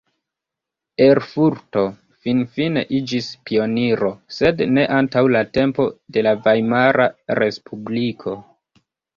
Erfurto finfine iĝis pioniro, sed ne antaŭ la tempo de la Vajmara Respubliko.